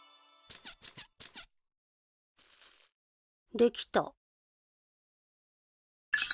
できた。